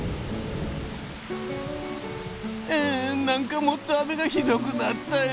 えん何かもっと雨がひどくなったよ。